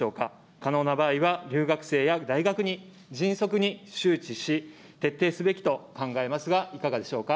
可能な場合は留学生や大学に迅速に周知し、徹底すべきと考えますが、いかがでしょうか。